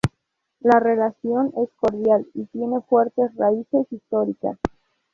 La relación es cordial y tiene fuertes raíces históricas.